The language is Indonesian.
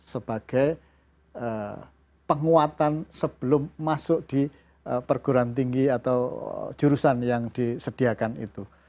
sebagai penguatan sebelum masuk di perguruan tinggi atau jurusan yang disediakan itu